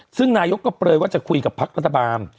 ซึ่งนายกก็เปลยว่าจะคุยกับพักรัฐบาล